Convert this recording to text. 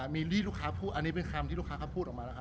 มีลี่ลูกค้าพูดอันนี้เป็นคำที่ลูกค้าเขาพูดออกมาแล้วครับ